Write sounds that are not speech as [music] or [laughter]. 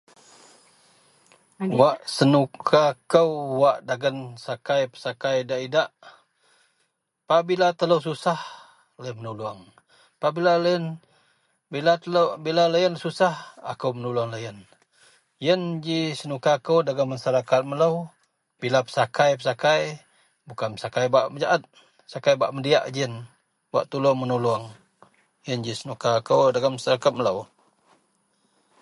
[noise] wak senuka kou wak dagen sakai pesakai idak-idak, pabila telou susah loyien menulung, pabila loyien bila telou bila loyien susah akou menulung loyien, ien ji senuka kou dagen masyarakat melou bila pesakai-pesakai, bukan pesakai bak megajaet, sakai bak megediak ji ien, bak tulung menulung ien ji senuka kou dagen masyarakat melou